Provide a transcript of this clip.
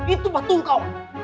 itu batu kaw